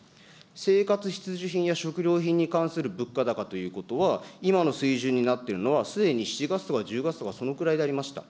生活必需品や食料品に関する物価高ということは、今の水準になってるのは、すでに７月とか１０月とかそのぐらいでありました。